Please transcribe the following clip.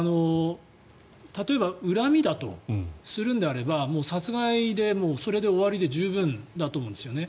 例えば恨みだとするのであれば殺害でそれで終わりで十分だと思うんですよね。